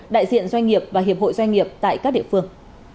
đại diện doanh nghiệp và hiệp hội doanh nghiệp tại các địa phương